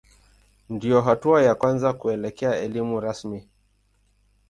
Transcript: Ndiyo hatua ya kwanza kuelekea elimu rasmi.